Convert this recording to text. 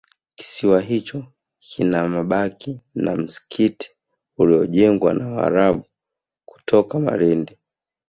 kisiwa hicho kina mabaki ya msikiti uliojengwa na Waarabu kutoka Malindi